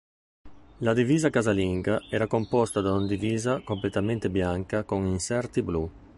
La divisa casalinga era composta da una divisa completamente bianca con inserti blu.